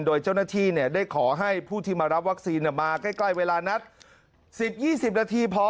โดยเจ้าหน้าที่ได้ขอให้ผู้ที่มารับวัคซีนมาใกล้เวลานัด๑๐๒๐นาทีพอ